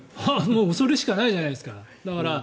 それしかないじゃないですか。